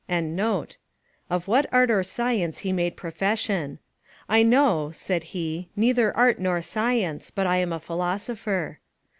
] of what art or science he made profession: "I know," said he, "neither art nor science, but I am a philosopher."